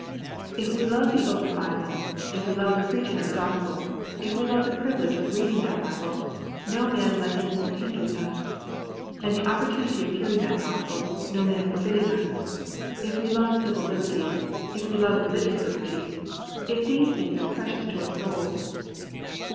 If we love the open Bible, if we love the preaching of the Gospel, if we love the privilege of reading that Bible, no man letting or hindering us, and the opportunity of hearing that Gospel, no man forbidding us, if we love civil liberty, if we love religious liberty, if these things are precious to our souls, we PRIVATE JUDGMENT.